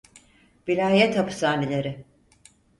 Vilayet hapishaneleri.